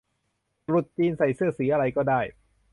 ตรุษจีนใส่เสื้อสีอะไรก็ได้